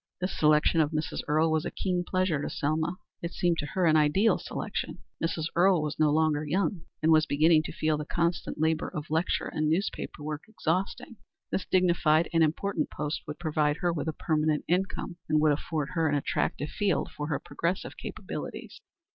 This selection of Mrs. Earle was a keen pleasure to Selma. It seemed to her an ideal selection. Mrs. Earle was no longer young, and was beginning to find the constant labor of lecture and newspaper work exhausting. This dignified and important post would provide her with a permanent income, and would afford her an attractive field for her progressive capabilities.